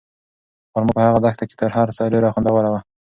خورما په هغه دښته کې تر هر څه ډېره خوندوره وه.